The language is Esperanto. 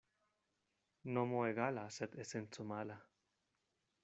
Nomo egala, sed esenco mala.